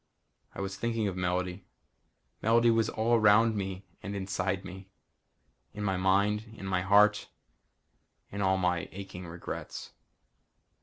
I was thinking of Melody. Melody was all around me and inside me. In my mind, in my heart, in all my aching regrets.